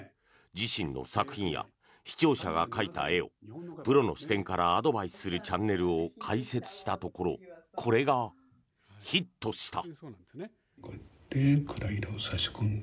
自身の作品や視聴者が描いた絵をプロの視点からアドバイスするチャンネルを開設したところこれがヒットした。